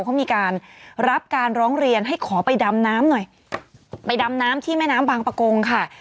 เขามีการรับการร้องเรียนให้ขอไปดำ้น้ำที่แม่น้ำวางปลากงค่ะ